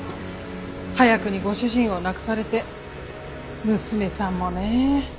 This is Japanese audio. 早くにご主人を亡くされて娘さんもね。